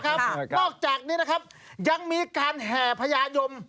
นอกจากนี้ยังมีการแห่พญายม